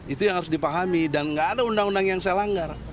itu yang harus dipahami dan nggak ada undang undang yang saya langgar